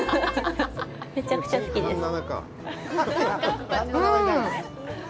めちゃくちゃ好きです。